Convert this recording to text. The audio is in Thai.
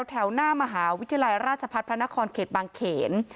แถวหน้ามหาวิทยาลัยราชพัฒน์พระนครเขตบางเขน